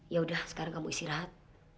yaudah sekarang kamu isi rahat